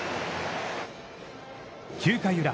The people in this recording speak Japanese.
９回裏。